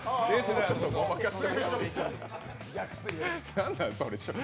何なん？